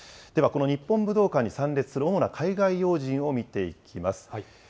この日本武道館に参列する主な海外要人を見ていきます。